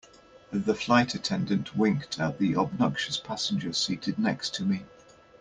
The flight attendant winked at the obnoxious passenger seated next to me.